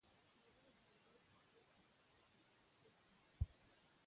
مېلې د امېد، خوښۍ او همکارۍ استازیتوب کوي.